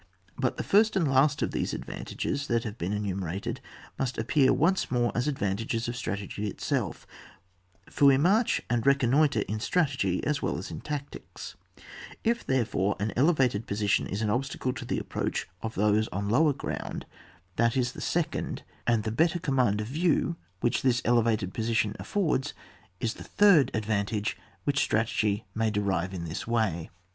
But the first and last of these advan tages that have been enumerated must appear once more as advantages of stra tegy itself, for we march and reconnoitre in strategy as well as in tactics ; if, there fore, an elevated position is an obstacle to the approach of those on lower ground, that is the second ; and the better com mand of view which this elevated position affords is the third advantage which stra tegy may derive in this way.